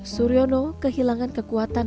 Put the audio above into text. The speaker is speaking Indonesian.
suryono kehilangan kekuatan